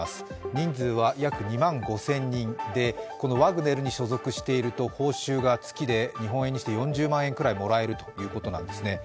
人数は約２万５０００人でワグネルに所属していると報酬が月で日本円にして４０万円くらいもらえるということなんですね。